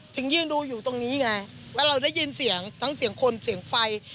ถึงยืนดูอยู่ตรงนี้ไงแล้วเราได้ยินเสียงทั้งเสียงคนเสียงไฟ